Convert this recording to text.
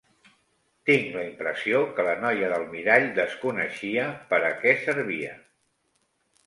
Tinc la impressió que la noia del mirall desconeixia per a què servia.